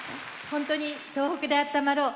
本当に「とうほくであったまろう」